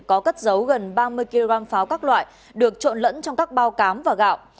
có cất dấu gần ba mươi kg pháo các loại được trộn lẫn trong các bao cám và gạo